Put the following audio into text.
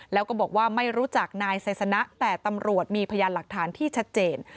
แล้วก็บอกว่าไม่รู้จักนายไซสนะแต่ตำรวจมีพยานหลักฐานที่ชัดเจน